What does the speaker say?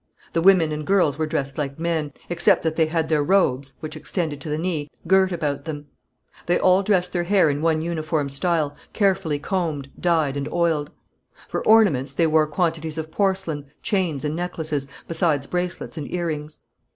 The women and girls were dressed like men, except that they had their robes, which extended to the knee, girt about them. They all dressed their hair in one uniform style, carefully combed, dyed and oiled. For ornaments they wore quantities of porcelain, chains and necklaces, besides bracelets and ear rings.